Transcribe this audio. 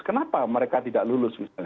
kenapa mereka tidak lulus misalnya